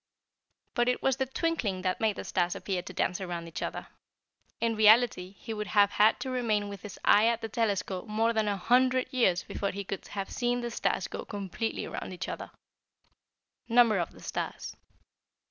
"But it was the twinkling that made the stars appear to dance around each other. In reality, he would have had to remain with his eye at the telescope more than a hundred years before he could have seen the stars go completely around each other." NUMBER OF THE STARS.